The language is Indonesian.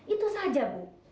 itu saja bu